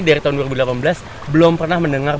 dari tahun dua ribu delapan belas belum pernah mendengar